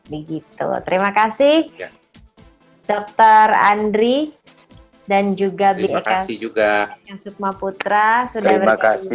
begitu terima kasih dr andri dan juga bli eka sukmaputra sudah berkongsi bersama kami